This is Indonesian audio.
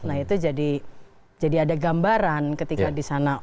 nah itu jadi ada gambaran ketika di sana